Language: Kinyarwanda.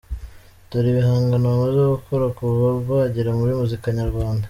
Dore ibihangano bamaze gukora kuva bagera muri muzika nyarwanda